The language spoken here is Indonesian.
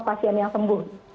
pasien yang sembuh